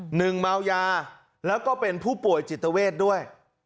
หนึ่งเมายาแล้วก็เป็นผู้ป่วยจิตเวทด้วย